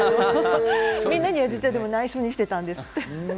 みんなには実は内緒にしていたんです。